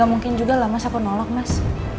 gak mungkin juga lah mas aku nolak mas